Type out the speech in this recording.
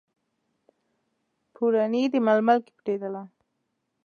پوړني، د ململ کې پټیدله